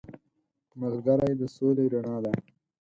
ملګری د سولې رڼا دی